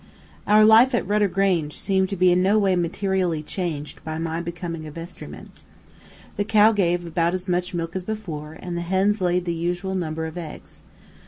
Our life at Rudder Grange seemed to be in no way materially changed by my becoming a vestryman. The cow gave about as much milk as before, and the hens laid the usual number of eggs.